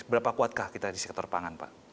seberapa kuatkah kita di sektor pangan pak